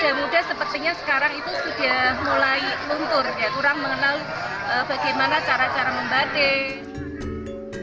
kurang mengenal bagaimana cara cara membatik